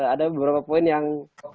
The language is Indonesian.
ada beberapa poin yang